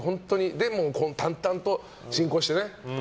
でも淡々と進行してね。